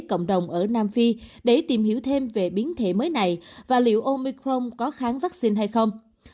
cộng đồng ở nam phi để tìm hiểu thêm về biến thể mới này và liệu omicron có kháng vaccine hay không